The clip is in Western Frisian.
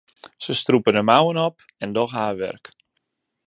Se strûpe de mouwen op en dogge har wurk.